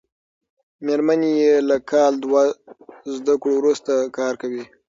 مېرمن یې له کال دوه زده کړو وروسته کار کوي.